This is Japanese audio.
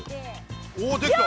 おおできた。